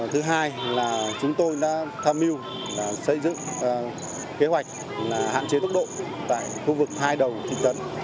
thứ hai là chúng tôi đã tham mưu xây dựng kế hoạch hạn chế tốc độ tại khu vực hai đầu thị trấn